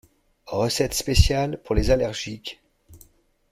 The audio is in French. Recette spéciale pour les allergiques.